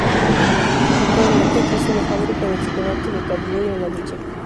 Actualmente, existe una fábrica de chocolate de Cadbury en la villa.